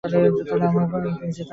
আমাকে কেন তুমি চেতন করে দাও নি।